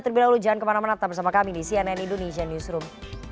terlebih dahulu jangan kemana mana tetap bersama kami di cnn indonesian newsroom